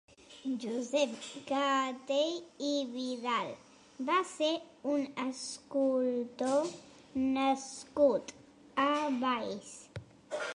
Josep Gatell i Vidal va ser un escultor nascut a Valls.